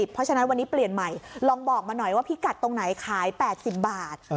เพราะฉะนั้นวันนี้เปลี่ยนใหม่ลองบอกมาหน่อยว่าพิกัดตรงไหนขาย๘๐บาท